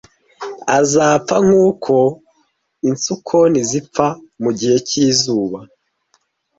Azapfa nkuko insukoni zipfa mu gihe cyizuba,